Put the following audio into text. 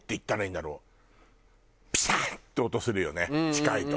って音するよね近いと。